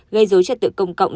gây dối trật tự công cộng